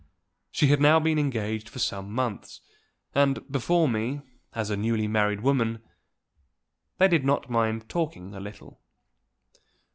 They had now been engaged for some months; and before me, as a newly married woman, they did not mind talking a little.